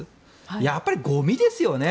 やっぱりゴミですよね。